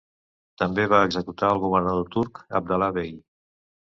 També va executar el governador turc Abdallah Bey.